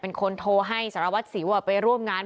เป็นคนโทรให้สารวัตรสิวไปร่วมงาน